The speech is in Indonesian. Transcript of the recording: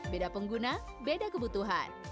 beda pengguna beda kebutuhan